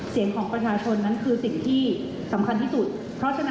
เสียงของประชาชนนั้นคือสิ่งที่สำคัญที่สุด